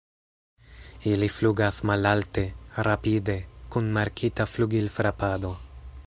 Ili flugas malalte, rapide, kun markita flugilfrapado.